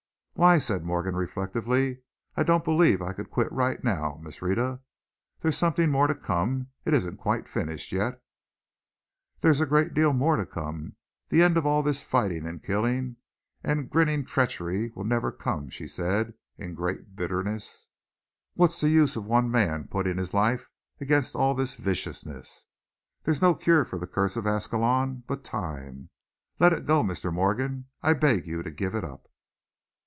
"Why," said Morgan, reflectively, "I don't believe I could quit right now, Miss Rhetta. There's something more to come, it isn't quite finished yet." "There's a great deal more to come, the end of all this fighting and killing and grinning treachery never will come!" she said, in great bitterness. "What's the use of one man putting his life against all this viciousness? There's no cure for the curse of Ascalon but time. Let it go, Mr. Morgan I beg you to give it up."